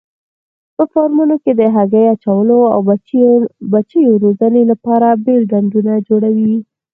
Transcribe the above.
په فارمونو کې د هګۍ اچولو او بچیو روزنې لپاره بېل ډنډونه جوړوي.